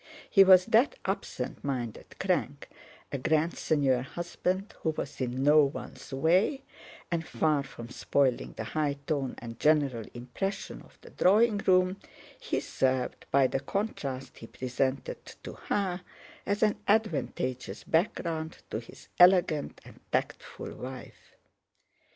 He was that absent minded crank, a grand seigneur husband who was in no one's way, and far from spoiling the high tone and general impression of the drawing room, he served, by the contrast he presented to her, as an advantageous background to his elegant and tactful wife.